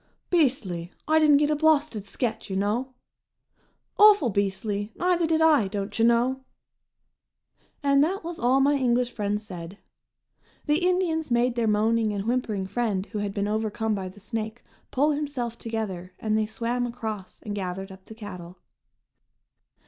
"Beastly! I didn't get a blawsted sketch, you know." "Awful beastly! Neither did I, don't you know." And that was all my English friends said. The Indians made their moaning and whimpering friend who had been overcome by the snake pull himself together and they swam across and gathered up the "cattle."